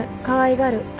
かわいがる。